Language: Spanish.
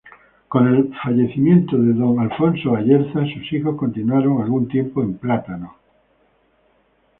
Con el fallecimiento de Don Alfonso Ayerza, sus hijos continuaron algún tiempo en Plátanos.